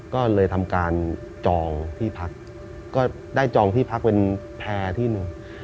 ก็เลยทำการจองที่พักก็ได้จองที่พักเป็นแพร่ที่หนึ่ง